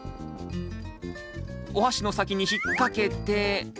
おはしの先に引っ掛けて。